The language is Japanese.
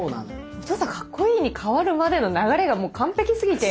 「お父さんかっこいい」に変わるまでの流れがもう完璧すぎて。